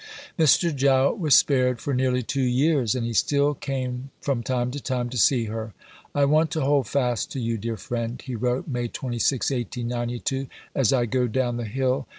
Mr. Jowett was spared for nearly two years, and he still came from time to time to see her. "I want to hold fast to you, dear friend," he wrote (May 26, 1892), "as I go down the hill.